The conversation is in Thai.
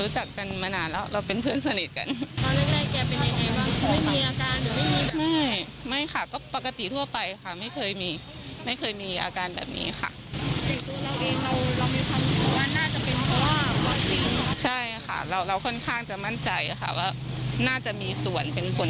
สงสารสงสารค่ะสงสารทุกครั้งเลย